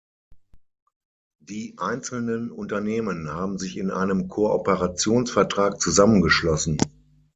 Die einzelnen Unternehmen haben sich in einem Kooperationsvertrag zusammengeschlossen.